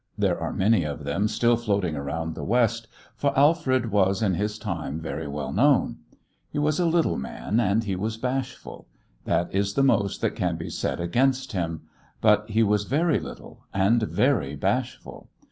There are many of them still floating around the West, for Alfred was in his time very well known. He was a little man, and he was bashful. That is the most that can be said against him; but he was very little and very bashful.